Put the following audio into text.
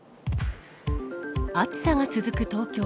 暑さが続く東京。